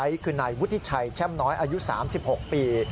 ก็คือนายวุฒิชัยแช่มน้อยอายุ๓๖ปี